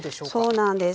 そうなんです。